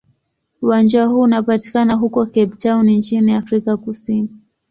Uwanja huu unapatikana huko Cape Town nchini Afrika Kusini.